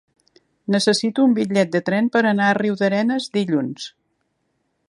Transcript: Necessito un bitllet de tren per anar a Riudarenes dilluns.